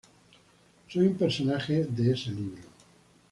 Soy un personaje de ese libro.